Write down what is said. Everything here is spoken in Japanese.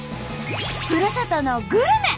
ふるさとのグルメ！